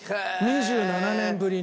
２７年ぶりに。